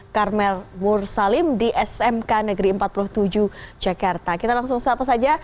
karmel mursalim di smk negeri empat puluh tujuh jakarta kita langsung siapa saja